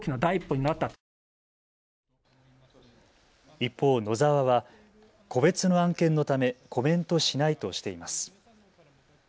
一方、ノザワは個別の案件のためコメントしないとしています。